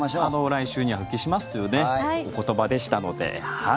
来週には復帰しますというお言葉でしたので。